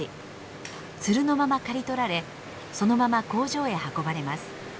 ツルのまま刈り取られそのまま工場へ運ばれます。